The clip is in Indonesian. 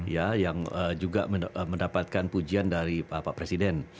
ya yang juga mendapatkan pujian dari bapak presiden